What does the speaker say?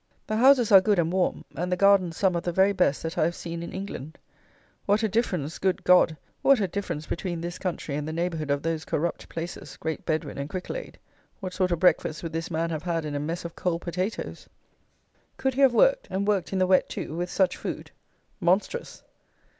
The houses are good and warm; and the gardens some of the very best that I have seen in England. What a difference, good God! what a difference between this country and the neighbourhood of those corrupt places Great Bedwin and Cricklade. What sort of breakfast would this man have had in a mess of cold potatoes? Could he have worked, and worked in the wet, too, with such food? Monstrous!